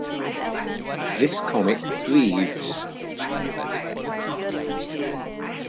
This comic breathes.